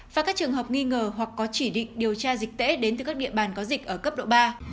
và các trường hợp nghi ngờ hoặc có chỉ định điều tra dịch tễ đến từ các địa bàn có dịch ở cấp độ ba